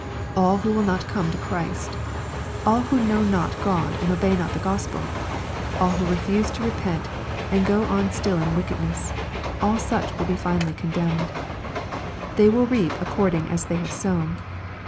All who will not come to Christ, — ^all who know not God end obey not the Gospel, — all who refuse to repent, and go on still in wickedness, all such will be finally condemned. They will reap according as they have sown.